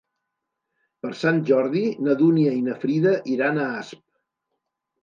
Per Sant Jordi na Dúnia i na Frida iran a Asp.